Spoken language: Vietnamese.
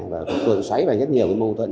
và tuần xoáy vào rất nhiều mâu thuẫn